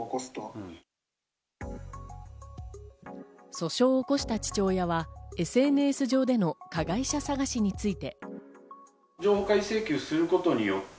訴訟を起こした父親はＳＮＳ上での加害者捜しについて。